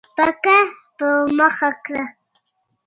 فکر په مخه کړ.